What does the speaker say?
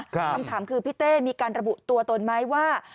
คำถามคือพี่เต้มีการระบุตัวตนไหมว่า